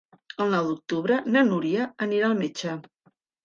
El nou d'octubre na Núria anirà al metge.